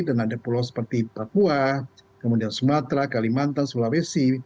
dan ada pulau seperti papua kemudian sumatera kalimantan sulawesi